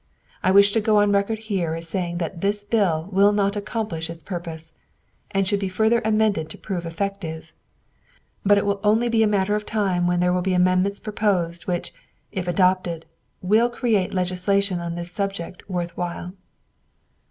I wish to go on record here as saying that this bill will not accomplish its purpose, and should be further amended to prove effective. But it will be only a matter of time when there will be amendments proposed, which, if adopted, will create legislation on this subject worth while.